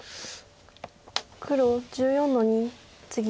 黒１４の二ツギ。